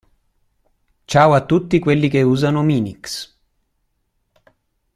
Ciao a tutti quelli che usano Minix.